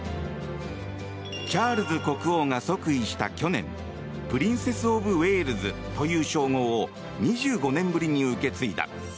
チャールズ国王が即位した去年プリンセス・オブ・ウェールズという称号を２５年ぶりに受け継いだ。